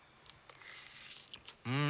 うん！